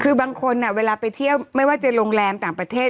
คือบางคนเวลาไปเที่ยวไม่ว่าจะโรงแรมต่างประเทศ